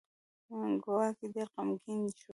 ګواکې ډېر غمګین شو.